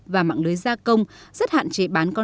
và mạng lưới gia đình